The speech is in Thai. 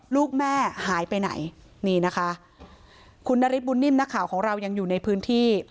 ลูกแม่หายไปไหนนี่นะคะคุณนฤทธบุญนิ่มนักข่าวของเรายังอยู่ในพื้นที่